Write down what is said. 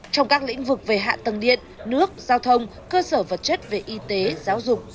trong các lĩnh vực về hạ tầng điện nước giao thông cơ sở vật chất về y tế giáo dục